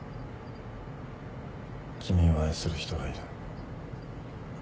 君を愛する人がいる。